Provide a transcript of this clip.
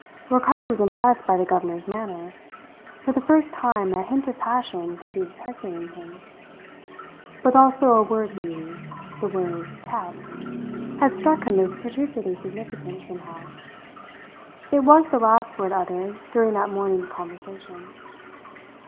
Ricardo was impressed by the governor's manner; for the first time a hint of passion could be detected in him. But also a word he used, the word "test," had struck him as particularly significant somehow. It was the last word uttered during that morning's conversation.